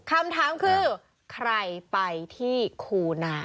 คำถามคือใครไปที่คูนา